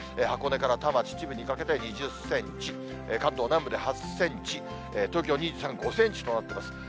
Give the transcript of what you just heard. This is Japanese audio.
箱根から多摩、秩父にかけて２０センチ、関東南部で８センチ、東京２３区５センチとなっています。